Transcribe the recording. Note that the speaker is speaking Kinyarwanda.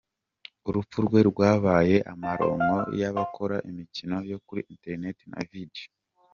Urupfu rwe rwabaye amaronko y’abakora imikino yo kuri internet na video.